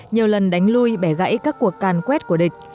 nhiều lần đánh lui bẻ gãy các cuộc càn quét của địch